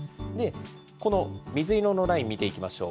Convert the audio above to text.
この水色のライン、見ていきましょう。